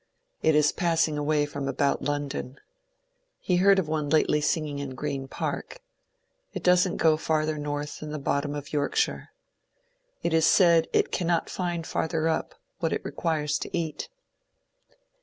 It is passing away from about London. He heard of one lately singing in Green Park. It does n't go farther north than the bottom of Yorkshire. It is said it can* not find farther up what it requires to eat.